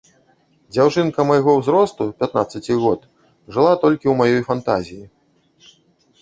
Дзяўчынка майго ўзросту, пятнаццаці год, жыла толькі ў маёй фантазіі.